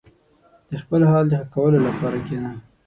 • د خپل حال د ښه کولو لپاره کښېنه.